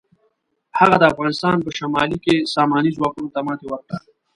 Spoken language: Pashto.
هغه د افغانستان په شمالي کې ساماني ځواکونو ته ماتې ورکړه.